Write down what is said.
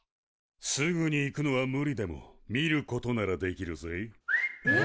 すぐに行くのは無理でも見ることならできるぜ。えっ！？